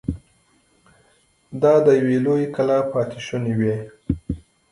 دا د يوې لويې کلا پاتې شونې وې.